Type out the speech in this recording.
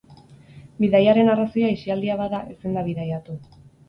Bidaiaren arrazoia aisialdia bada, ezin da bidaiatu.